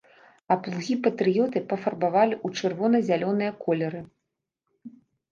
А плугі патрыёты пафарбавалі ў чырвона-зялёныя колеры.